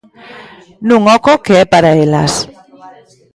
Nun oco que é para elas.